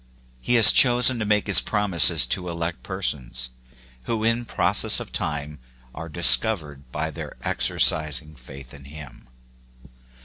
He has chosen to make his promises to elect persons, who in process of time are discovered by their exercising faith in him.